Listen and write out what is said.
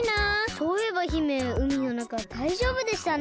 そういえば姫うみのなかだいじょうぶでしたね？